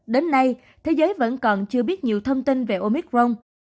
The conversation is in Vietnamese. đến nay thế giới vẫn còn chưa biết nhiều thông tin về omicron